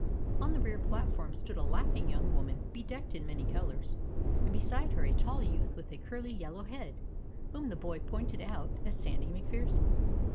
On the rear platform stood a laughing young woman bedecked in many colors, and beside her a tall youth with a curly yellow head, whom the boy pointed out as Sandy MacPherson.